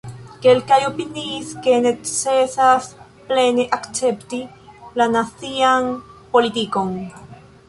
Kelkaj opiniis, ke necesas plene akcepti la nazian politikon.